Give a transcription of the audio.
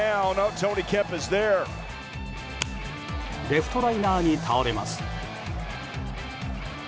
レフトライナーに倒れます。